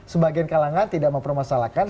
sebagian kalangan tidak mempermasalahkan